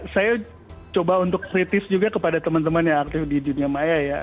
saya coba untuk kritis juga kepada teman teman yang aktif di dunia maya ya